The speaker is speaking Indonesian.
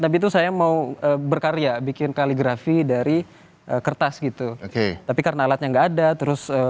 tapi itu saya mau berkarya bikin kaligrafi dari kertas gitu tapi karena alatnya nggak ada terus